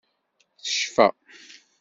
Tecfa.